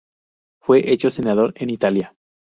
Fue hecho senador en Italia.